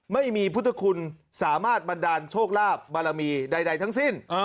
ไม่มีพุทธคุณสามารถบันดาลโชคลาภบารมีใดทั้งสิ้น